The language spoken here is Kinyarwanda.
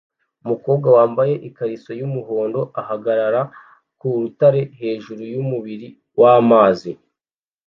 Umukobwa wambaye ikariso yumuhondo ahagarara ku rutare hejuru yumubiri wamazi